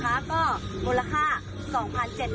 ปลาหงอ๒๐ตัวแล้วก็ปลาไหล่๙ตัว